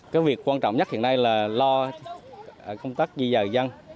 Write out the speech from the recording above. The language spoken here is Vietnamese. cái việc quan trọng nhất hiện nay là lo công tác di dời dân